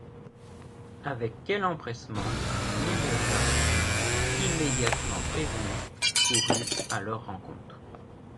Avec quel empressement, Miriota, qui fut immédiatement prévenue, courut à leur rencontre.